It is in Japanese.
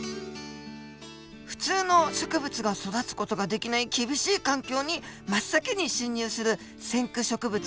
普通の植物が育つ事ができない厳しい環境に真っ先に侵入する先駆植物。